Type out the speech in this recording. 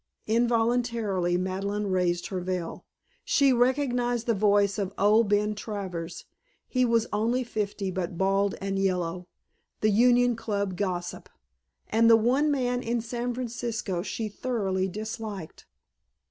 Involuntarily Madeleine raised her veil. She recognized the voice of "Old" Ben Travers (he was only fifty but bald and yellow), the Union Club gossip, and the one man in San Francisco she thoroughly disliked.